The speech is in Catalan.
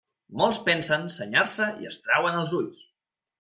Molts pensen senyar-se i es trauen els ulls.